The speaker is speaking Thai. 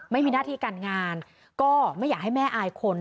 ไม่มีหน้าที่การงานก็ไม่อยากให้แม่อายคน